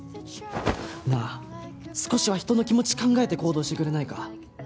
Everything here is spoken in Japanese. なあ少しは人の気持ち考えて行動してくれないか？